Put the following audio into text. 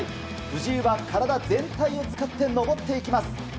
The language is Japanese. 藤井は体全体を使って登っていきます。